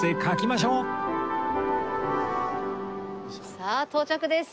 さあ到着です。